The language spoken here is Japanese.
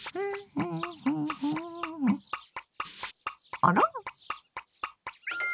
あら？